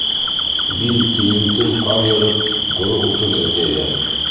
Бил тиңентен ҡар йырып, ҡоро утын эҙләйҙәр.